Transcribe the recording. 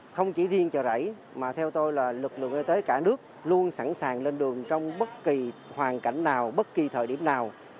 không chỉ riêng chợ rẫy mà theo tôi là lực lượng y tế cả nước luôn sẵn sàng lên đường trong bất kỳ hoàn cảnh nào bất kỳ thời điểm nào